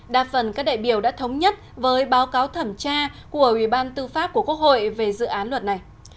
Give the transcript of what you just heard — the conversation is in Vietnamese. đa phần các đại biểu đã thống nhất với báo cáo thẩm tra của ubnd của quốc hội về dự án luật này